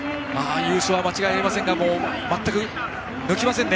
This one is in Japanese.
優勝は間違いありませんが全く抜きませんね。